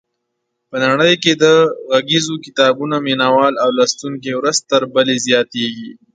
په نړۍ کې د غږیزو کتابونو مینوال او لوستونکي ورځ تر بلې زیاتېږي.